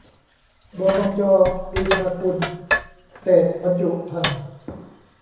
บมจ.ปรีชากุลเศรษฐ์บรรจุภัณฑ์